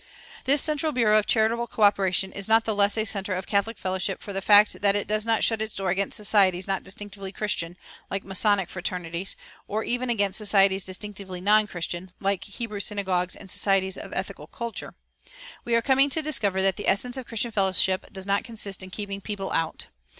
This central bureau of charitable coöperation is not the less a center of catholic fellowship for the fact that it does not shut its door against societies not distinctively Christian, like Masonic fraternities, nor even against societies distinctively non Christian, like Hebrew synagogues and "societies of ethical culture." We are coming to discover that the essence of Christian fellowship does not consist in keeping people out.